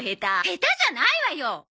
下手じゃないわよ！